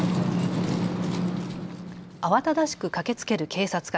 慌ただしく駆けつける警察官。